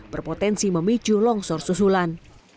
berpotensi memicu longsor susulan